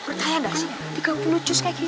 pertanyaan ada sih dikumpul lucu kayak gitu ya